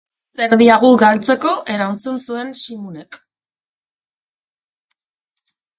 Zer diagu galtzeko? Erantzun zuen Ximunek.